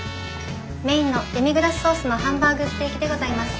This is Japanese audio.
メインのデミグラスソースのハンバーグステーキでございます。